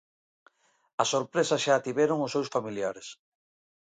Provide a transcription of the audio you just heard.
A sorpresa xa a tiveron os seus familiares.